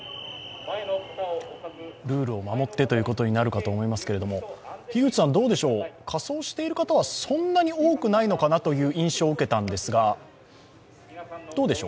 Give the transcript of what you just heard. ルールを守ってということになるかと思いますけれども、仮装している方は、そんなに多くないのかなという印象を受けたんですが。